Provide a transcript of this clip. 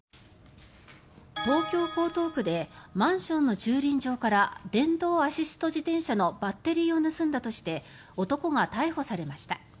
東京・江東区でマンションの駐輪場から電動アシスト自転車のバッテリーを盗んだとして男が逮捕されました。